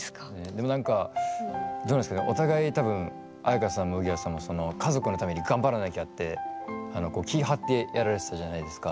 でもなんかどうなんですかねお互い多分綾華さんもウギアさんもその家族のために頑張らなきゃって気張ってやられてたじゃないですか。